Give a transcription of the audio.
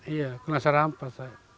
iya kena serampat